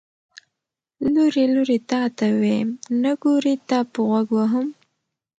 ـ لورې لورې تاته ويم، نګورې تاپه غوږ وهم.